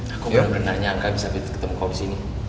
aku benar benar nyangka bisa ketemu kamu di sini